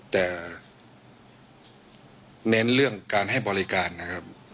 แต่เน้นเรื่องการให้บริการนะครับ